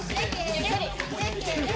ゆっくり。